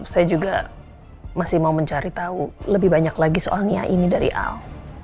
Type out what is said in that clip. saya juga masih mau mencari tahu lebih banyak lagi soal nia ini dari al